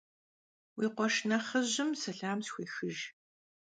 Vui khueşş nexhıjım selam sxuêxıjj.